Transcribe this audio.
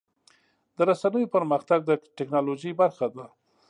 د رسنیو پرمختګ د ټکنالوژۍ برخه ده.